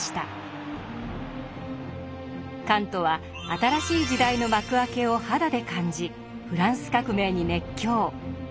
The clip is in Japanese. カントは新しい時代の幕開けを肌で感じフランス革命に熱狂。